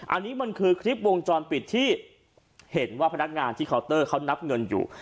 อันนี้มันคือคลิปวงจรปิดที่เห็นว่าพนักงานที่เคาน์เตอร์เขานับเงินอยู่